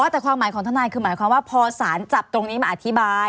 แต่ความหมายของทนายคือหมายความว่าพอสารจับตรงนี้มาอธิบาย